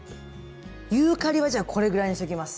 ユーカリはこれぐらいにしときます。